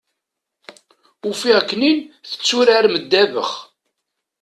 Ufiɣ-ken-in tetturarem ddabax.